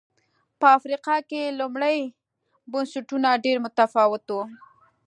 په افریقا کې لومړي بنسټونه ډېر متفاوت و